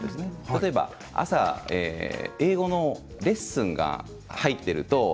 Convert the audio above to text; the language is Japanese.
例えば、朝英語のレッスンが入っていると。